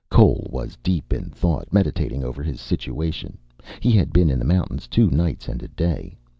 Cole was deep in thought, meditating over his situation. He had been in the mountains two nights and a day.